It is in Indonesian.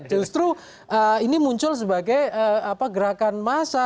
justru ini muncul sebagai gerakan massa